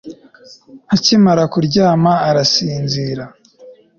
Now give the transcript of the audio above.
Akimara kuryama arasinzira